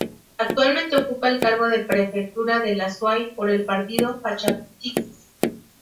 Actualmente ocupa el cargo de prefectura del Azuay por el partido Pachakutik.